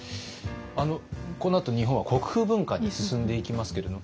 このあと日本は国風文化に進んでいきますけれども。